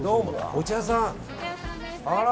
お茶屋さんです。